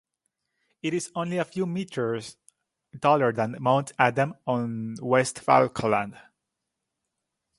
It is only a few metres taller than Mount Adam on West Falkland.